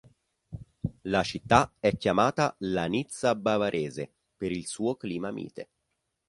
La città è chiamata "la Nizza bavarese" per il suo clima mite.